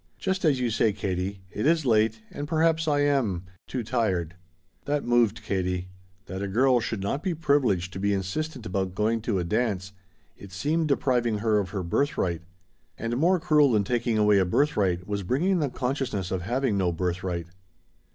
"Just as you say, Katie. It is late, and perhaps I am too tired." That moved Katie. That a girl should not be privileged to be insistent about going to a dance it seemed depriving her of her birthright. And more cruel than taking away a birthright was bringing the consciousness of having no birthright.